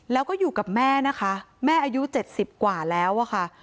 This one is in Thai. แล้วก็อยู่กับแม่นะคะแม่อายุ๗๐กว่าแล้วอะค่ะ